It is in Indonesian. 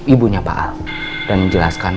ibunya pak al dan menjelaskan